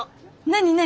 何何？